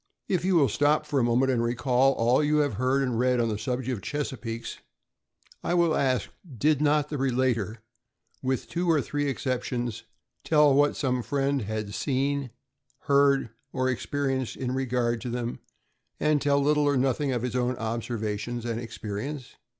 If you will stop for a moment and recall all you have heard and read on the subject of Chesapeakes, I will ask, Did not the relater, with two or three exceptions, tell what some friend had seen, heard, or experienced in regard to them, and tell little or nothing of his own observations and experience?